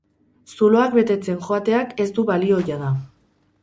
Zuloak betetzen joateak ez du balio jada.